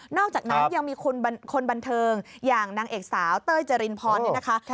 อกจากนั้นยังมีคนบันเทิงอย่างนางเอกสาวเต้ยเจรินพรเนี่ยนะคะ